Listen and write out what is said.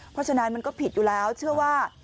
เพราะฉะนั้นมันก็ผิดอยู่แล้วเชื่อว่า